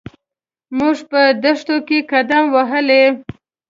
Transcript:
موږ په دښتو کې قدم وهلی.